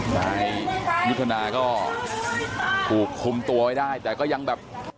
ในวิทยาลัยก็คุมตัวไว้ได้แต่ก็ยังแบบ